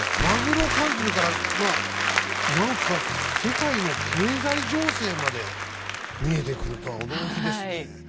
マグロ缶詰からまあ何か世界の経済情勢まで見えてくるとは驚きですね。